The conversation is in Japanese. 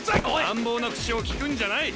乱暴な口をきくんじゃない。